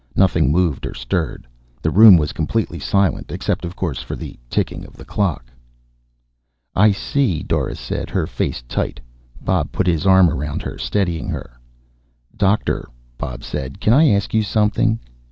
Nothing moved or stirred. The room was completely silent, except, of course, for the ticking of the clock. "I see," Doris said, her face tight. Bob put his arm around her, steadying her. "Doctor," Bob said, "can I ask you something?"